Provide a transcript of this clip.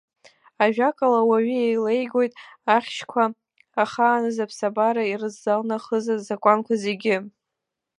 Ажәакала, ауаҩы еилеигоит ахьшьқәа ахааназ аԥсабара ирзалнахыз азакәанқәа зегьы.